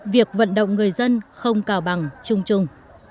việc vận động người dân không cào bằng chung chung